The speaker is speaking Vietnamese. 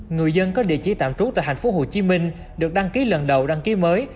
người dân có địa chỉ tạm trú tại tp hcm được đăng ký lần đầu đăng ký mới